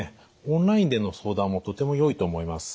オンラインでの相談もとてもよいと思います。